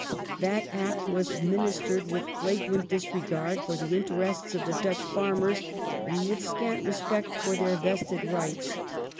That Act was administered with flagrant disregard for the interests of the Dutch farmers and with scant respect for their vested rights.